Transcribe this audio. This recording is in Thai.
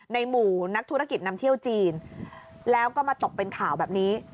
ในหมู่นักธุรกิจนำเที่ยวจีนแล้วก็มาตกเป็นข่าวแบบนี้